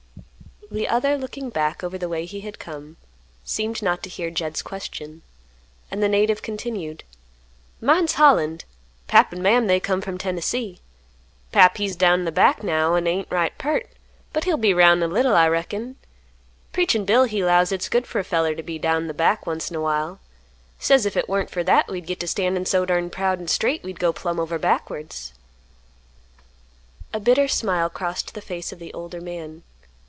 The other, looking back over the way he had come, seemed not to hear Jed's question, and the native continued, "Mine's Holland. Pap an' Mam they come from Tennessee. Pap he's down in th' back now, an' ain't right peart, but he'll be 'round in a little, I reckon. Preachin' Bill he 'lows hit's good fer a feller t' be down in th' back onct in a while; says if hit warn't fer that we'd git to standin' so durned proud an' straight we'd go plumb over backwards." A bitter smile crossed the face of the older man.